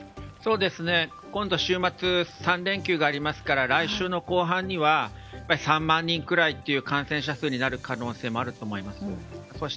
今度週末３連休がありますから来週の後半には３万人くらいという感染者数になる可能性もあると思います。